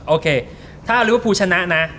โอเคถ้าลิ้วผูกชนะนะ